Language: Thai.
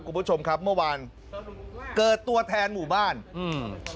คุณผู้ชมครับเมื่อวานเกิดตัวแทนหมู่บ้านอืม